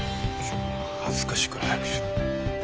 恥ずかしいから早くしろ。